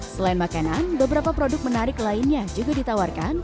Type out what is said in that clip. selain makanan beberapa produk menarik lainnya juga ditawarkan